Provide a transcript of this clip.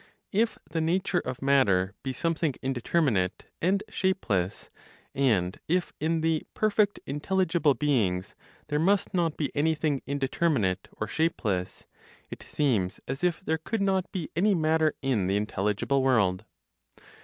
If (the nature) of matter be something indeterminate, and shapeless, and if in the perfect (intelligible beings) there must not be anything indeterminate or shapeless, it seems as if there could not be any matter in the intelligible world.